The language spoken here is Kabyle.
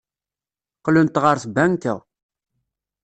Qqlent ɣer tbanka.